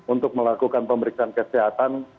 untuk melakukan pemeriksaan kesehatan